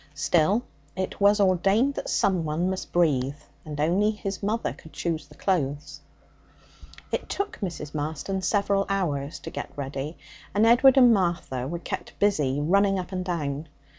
Still, it was ordained that someone must breathe, and only his mother could choose the clothes. It took Mrs. Marston several hours to get ready, and Edward and Martha were kept busy running up and down.